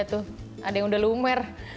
lihat tuh ada yang sudah lumer